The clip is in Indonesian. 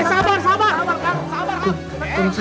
eh ke pintunya